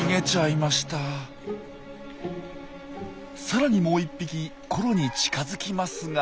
さらにもう一匹コロに近づきますが。